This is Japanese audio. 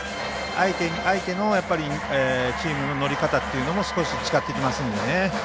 相手のチームの乗り方も少し違ってきますのでね。